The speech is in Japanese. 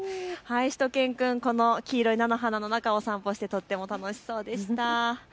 しゅと犬くん、この黄色い菜の花の中を散歩してとても楽しそうでした。